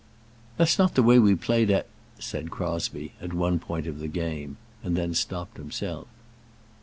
"That's not the way we played at ," said Crosbie, at one point of the game, and then stopped himself.